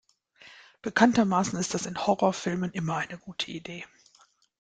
Bekanntermaßen ist das in Horrorfilmen immer eine gute Idee.